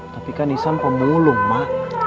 tapi kan nisan pemulung mak